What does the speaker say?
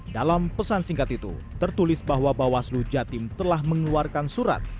dalam pesan singkat itu tertulis bahwa bawaslu jatim telah mengeluarkan surat